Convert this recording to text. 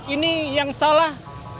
ini yang salah